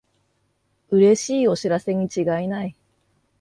うれしいお知らせにちがいない